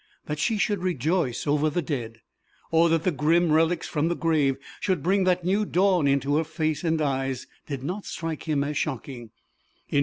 That she should rejoice over the dead, or that the grim relics from the grave should bring that new dawn into her face and eyes, did not strike him as shocking.